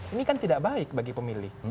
ini kan tidak baik bagi pemilih